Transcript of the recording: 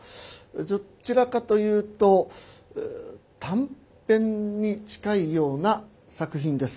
どちらかというと短編に近いような作品です。